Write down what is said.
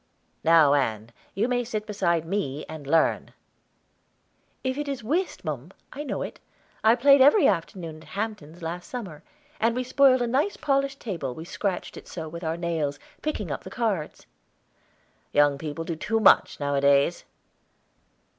"Now, Ann, you may sit beside me and learn." "If it is whist, mum, I know it. I played every afternoon at Hampton last summer, and we spoiled a nice polished table, we scratched it so with our nails, picking up the cards." "Young people do too much, nowadays."